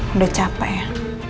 ya udah capek ya